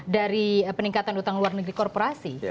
dari peningkatan utang luar negeri korporasi